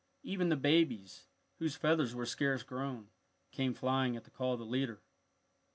Even the babies, whose feathers were scarce grown, came flying at the call of the leader.